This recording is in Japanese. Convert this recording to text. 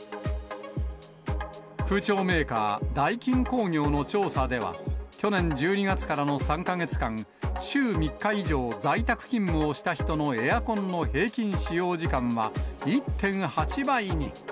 空調メーカー、ダイキン工業の調査では、去年１２月からの３か月間、週３日以上、在宅勤務をした人のエアコンの平均使用時間は、１．８倍に。